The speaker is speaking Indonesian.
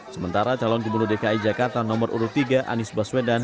sementara calon gubernur dki jakarta nomor urut tiga anies baswedan